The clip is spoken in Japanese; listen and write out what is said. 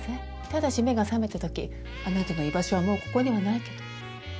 ただし目が覚めたときあなたの居場所はもうここにはないけど。